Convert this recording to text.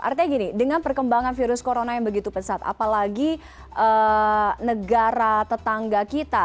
artinya gini dengan perkembangan virus corona yang begitu pesat apalagi negara tetangga kita